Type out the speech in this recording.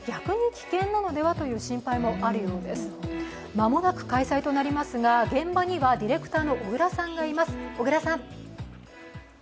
間もなく開催となりますが、現場にはディレクターの小倉さんがいます。